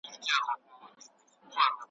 او په نهه کلنی کي یې په یوه عام محضر کي `